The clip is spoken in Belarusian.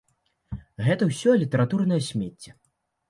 Гэта ўсё літаратурнае смецце.